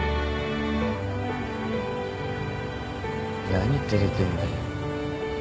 何照れてんだよ。